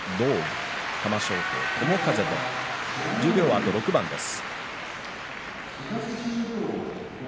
十両はあと６番です。